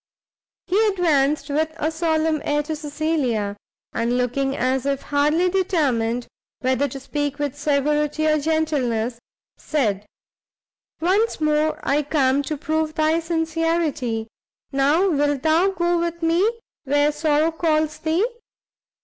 He advanced with a solemn air to Cecilia, and, looking as if hardly determined whether to speak with severity or gentleness, said, "once more I come to prove thy sincerity; now wilt thou go with me where sorrow calls thee?